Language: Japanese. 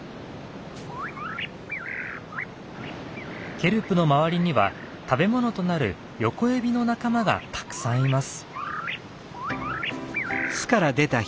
ケルプの周りには食べものとなるヨコエビの仲間がたくさんいます。